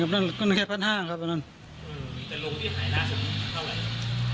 ก็แค่พันห้าครับอันนั้นอืมแต่ลงที่หายล่าสักนิดเท่าไหร่